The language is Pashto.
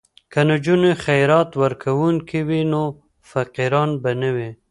که نجونې خیرات ورکوونکې وي نو فقیران به نه وي.